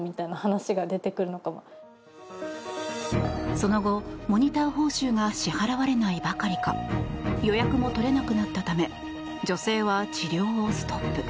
その後、モニター報酬が支払われないばかりか予約も取れなくなったため女性は治療をストップ。